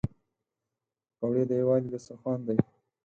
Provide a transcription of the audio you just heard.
پکورې د یووالي دسترخوان دي